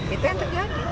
itu yang terjadi